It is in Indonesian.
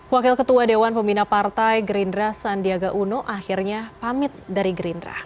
wakil ketua dewan pembina partai gerindra sandiaga uno akhirnya pamit dari gerindra